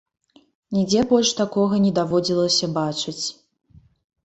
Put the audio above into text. Нідзе больш такога не даводзілася бачыць.